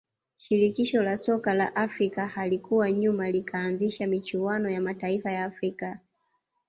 shirikisho la soka la afrika halikuwa nyuma likaanzisha michuano ya mataifa ya afrika